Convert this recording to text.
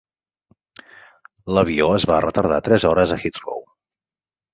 L'avió es va retardar tres hores a Heathrow.